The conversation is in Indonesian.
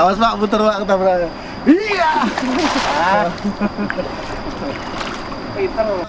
awas pak puter banget kita berani